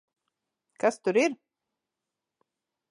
Kas tur ir?